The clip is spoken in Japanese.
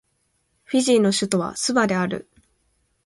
フィジーの首都はスバである